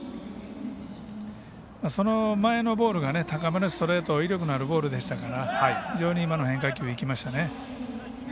その前のボールが高めのストレート威力のあるボールでしたから非常に今の変化球、生きましたね。